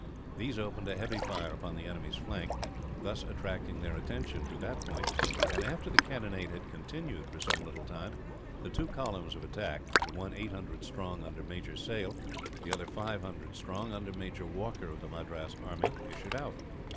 These opened a heavy fire upon the enemy's flank, thus attracting their attention to that point and, after the cannonade had continued for some little time, the two columns of attack the one eight hundred strong, under Major Sale; the other five hundred, under Major Walker of the Madras army issued out.